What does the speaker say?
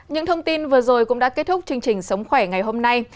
những thông tin vừa rồi cũng đã kết thúc chương trình sống khỏe ngày hôm nay